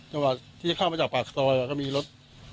จังหวัดที่จะเข้ามาจากปากซอยก็มีรถ